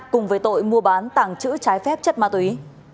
cùng với tội mua bán tảng chữ trái phép chất ma túy